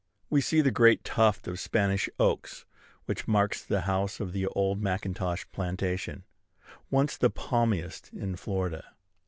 We see the great tuft of Spanish oaks which marks the house of the old Macintosh plantation, once the palmiest in Florida.